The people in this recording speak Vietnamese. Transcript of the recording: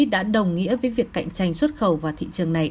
đã đồng nghĩa với việc cạnh tranh xuất khẩu vào thị trường này